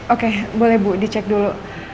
oke boleh bu dicek dulu